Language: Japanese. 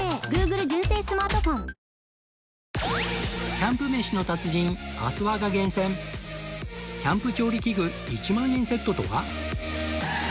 キャンプ飯の達人阿諏訪が厳選キャンプ調理器具１万円セットとは？